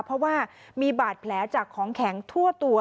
เพราะว่ามีบาดแผลจากของแข็งทั่วตัว